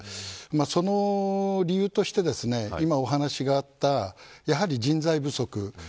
その理由として今お話があったやはり人材不足。